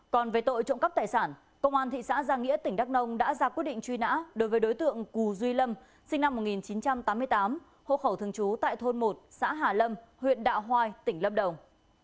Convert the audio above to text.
còn về tội trộm cắp tài sản công an thị xã giang nghĩa tỉnh đắk nông đã ra quyết định truy nã đối với đối tượng cù duy lâm sinh năm một nghìn chín trăm tám mươi tám hộ khẩu thường trú tại thôn một xã hà lâm huyện đạo hoai tỉnh lâm đồng